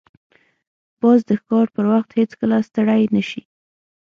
باز د ښکار پر وخت هیڅکله ستړی نه شي